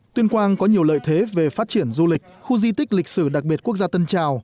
tuyên quang có nhiều lợi thế về phát triển du lịch khu di tích lịch sử đặc biệt quốc gia tân trào